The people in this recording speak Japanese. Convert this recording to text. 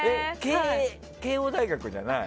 慶應大学じゃない。